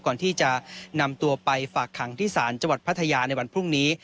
ก่อนที่จะนำตัวไปฝากขังที่ศาลจังหวัดพัทยาในวันพรุ่งนี้